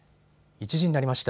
１時になりました。